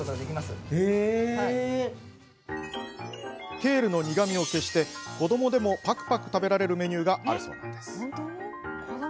ケールの苦みを消して子どもでも、ぱくぱく食べられるメニューがあるそうなんです。